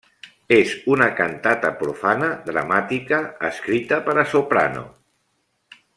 És una cantata profana dramàtica escrita per a soprano.